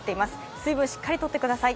水分、しっかりとってください。